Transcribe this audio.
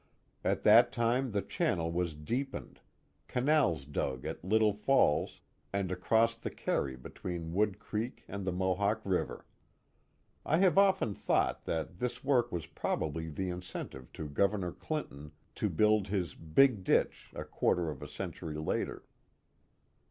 At that time the channel was deepened, canals dug at Little Falls, and across the cany between Wood Creek and the Mohawk River, I have often thought that this work was probably the incentive to Governor Clinton to build his " big ditch " a quarter of a centuiy later.